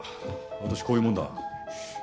私こういうもんだ。